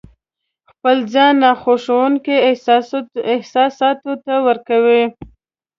خپل ځای ناخوښونکو احساساتو ته ورکوي.